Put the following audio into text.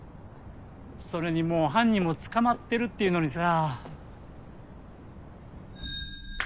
それにもう犯人も捕まってるっていうのにさ。